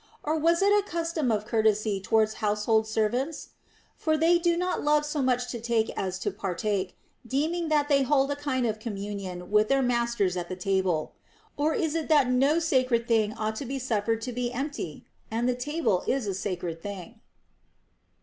Or was it a custom of courtesy towards household servants \ For they do not love so much to take as to partake, deeming that they hold a kind of communion with their masters at the table. Or is it that no sacred thing ought to be suffered to be empty ? And the table is a sacred thing.